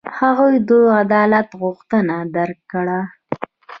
هغوی د عدالت غوښتنه رد کړه.